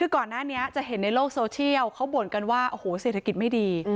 คือก่อนหน้านี้จะเห็นในโลกโซเชียลเขาบ่นกันว่าโอ้โหเศรษฐกิจไม่ดี